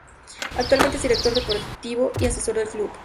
Actualmente es director deportivo y asesor del club.